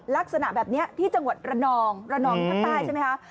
ลักษณะแบบนี้ที่จังหวัดระนองระนองที่ภาคใต้ใช่ไหมคะ